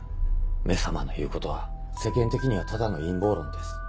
「め様」の言うことは世間的にはただの陰謀論です。